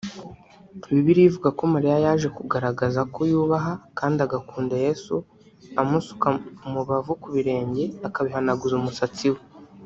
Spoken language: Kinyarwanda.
Bibiliya ivuga ko Mariya yaje kugaragaza ko yubaha kandi agakunda Yesu amusuka umubavu ku birenge akabihanaguza umusatsi we